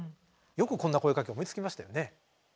よくこんな声かけ思いつきましたよね。